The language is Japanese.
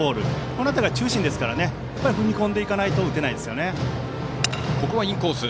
この辺りが中心ですから踏み込んでいかないと打てないですよね。